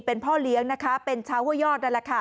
เป็นพ่อเลี้ยงนะคะเป็นชาวห้วยยอดนั่นแหละค่ะ